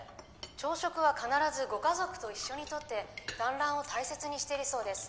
「朝食は必ずご家族と一緒にとって団らんを大切にしているそうです」